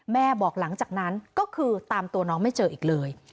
บอกหลังจากนั้นก็คือตามตัวน้องไม่เจออีกเลย